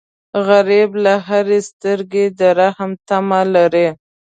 غریب له هرې سترګې د رحم تمه لري